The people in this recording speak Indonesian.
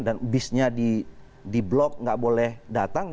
dan bisnya di blok nggak boleh datang